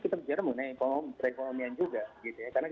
kita harus memiliki keuntungan secara ekonomi yang lebih selengah